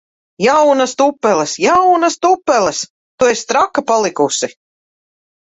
Jaunas tupeles! Jaunas tupeles! Tu esi traka palikusi!